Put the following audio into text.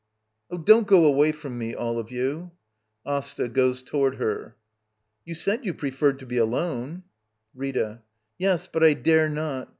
] Oh, don't go away from me, all of you ! AsTA. [Goes toward her.] You said you pre ferred to be alone — Rita. Yes, but I dare not.